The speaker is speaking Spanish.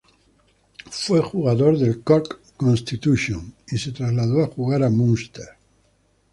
Fue jugador de Cork Constitution y se trasladó a jugar a Munster.